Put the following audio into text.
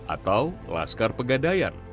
atau laskar pegadayan